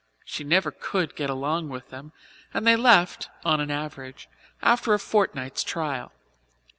She never could get along with them, and they left, on an average, after a fortnight's trial.